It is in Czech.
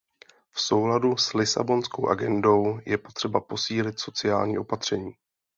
V souladu s lisabonskou agendou je potřeba posílit sociální opatření.